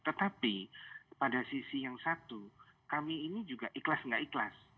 tetapi pada sisi yang satu kami ini juga ikhlas nggak ikhlas